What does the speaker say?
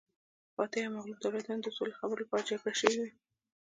فاتح او مغلوب دولتونه د سولې خبرو لپاره جرګه شوي وو